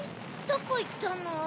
どこいったの？